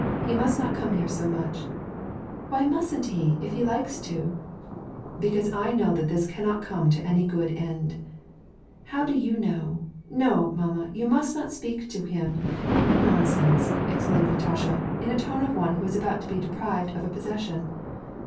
He must not come here so much "—" Why mustn't he, if he likes to ?"'* Because I know that this cannot come to any good end." " How do you know ? No, mamma ! you must not speak to him. What nonsense !" exclaimed Natasha, in the tone of one who is about to be deprived of a possession.